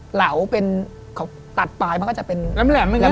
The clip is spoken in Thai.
เหล่าเป็นตัดปลายมันก็จะเป็นแหลม